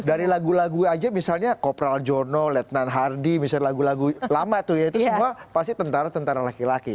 dari lagu lagu aja misalnya kopral jono letnan hardy misalnya lagu lagu lama tuh ya itu semua pasti tentara tentara laki laki